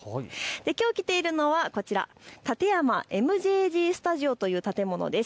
きょう来ているのは館山ＭＪＧスタジオという建物です。